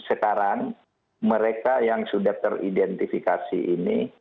sekarang mereka yang sudah teridentifikasi ini